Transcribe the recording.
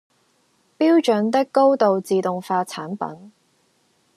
標準的高度自動化產品